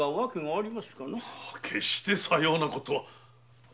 決してさようなことは。